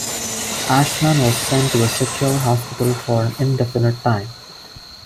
Ashman was sent to a secure hospital for an indefinite time.